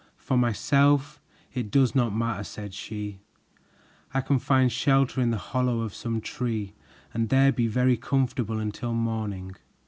"For myself, it does not matter," said she, "I can find shelter in the hollow of some tree and there be very comfortable until morning."